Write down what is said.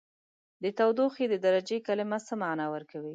د تودوخې د درجې کلمه څه معنا ورکوي؟